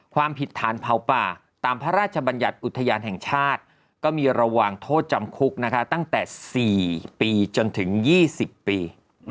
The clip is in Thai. ความผิดฐานเผาป่าตามพระราชบัญญัติอุทยานแห่งชาติก็มีระวังโทษจำคุกนะคะตั้งแต่๔ปีจนถึง๒๐ปี